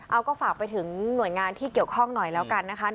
เอาก็ฝากไปถึงหน่วยงานที่เกี่ยวข้องหน่อยแล้วกันนะคะ